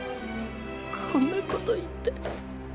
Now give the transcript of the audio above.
こんなこと言って。